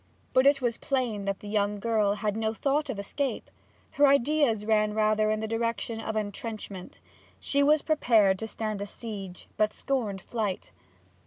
But it was plain that the young girl had no thought of escape. Her ideas ran rather in the direction of intrenchment: she was prepared to stand a siege, but scorned flight.